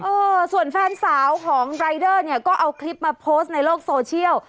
เออส่วนแฟนสาวของรายเดอร์เนี่ยก็เอาคลิปมาโพสต์ในโลกโซเชียล